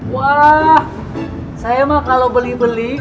wah saya mah kalau beli beli